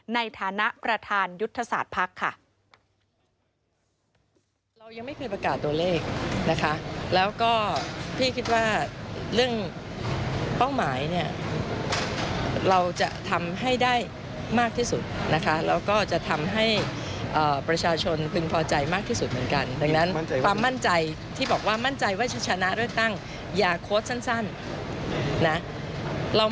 ในฐานะประธานยุทธศาสตร์ภักดิ์ค่ะ